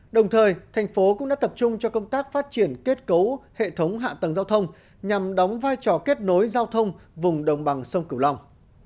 đồng thời thành phố cũng đã tập trung cho công tác phát triển kết cấu hệ thống hạ tầng giao thông nhằm đóng vai trò kết nối giao thông vùng đồng bằng sông cửu long